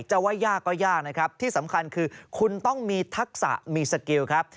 จะว่ายากก็ยากนะครับที่สำคัญคือคุณต้องมีทักษะมีสกิลครับ